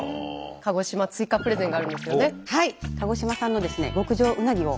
鹿児島追加プレゼンがあるんですよね。